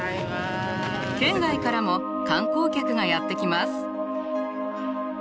県外からも観光客がやって来ます。